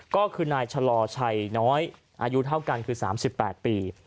ก็คือนายชะลอชัยน้อยอายุเท่ากันคือ๓๘ปี